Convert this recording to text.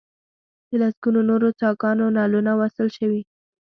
د لسګونو نورو څاګانو نلونه وصل شوي.